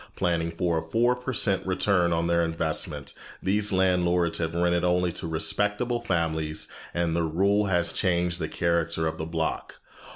Planning for a four per cent return on their investment, these landlords have rented only to respectable families, and their rule has changed the character of the block.